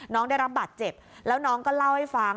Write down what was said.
น้องได้รับบาดเจ็บแล้วน้องก็เล่าให้ฟัง